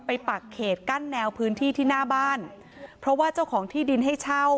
ปักเขตกั้นแนวพื้นที่ที่หน้าบ้านเพราะว่าเจ้าของที่ดินให้เช่า